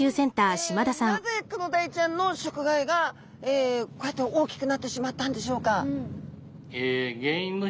なぜクロダイちゃんの食害がこうやって大きくなってしまったんでしょうか？